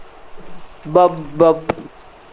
Bob-bob.